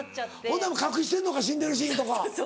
ほんなら隠してんのか死んでるシーンとか。